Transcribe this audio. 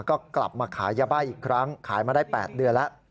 ก็กลับมาขายยาบ้าอีกครั้งขายมาได้๘เดือนแล้ว